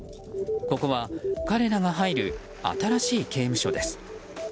ここは彼らが入る新しい刑務所です。